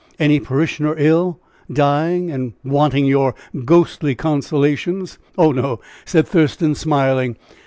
Any parishioner ill, dying and wanting your ghostly consolations?" "Oh, no," said Thurston, smiling.